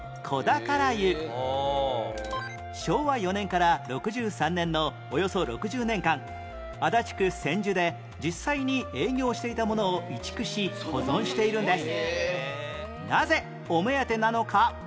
昭和４年から６３年のおよそ６０年間足立区千住で実際に営業していたものを移築し保存しているんです